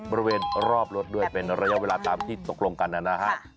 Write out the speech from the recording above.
บริเวณรอบรถด้วยเป็นระยะเวลาตามที่ตกลงกันนะฮะ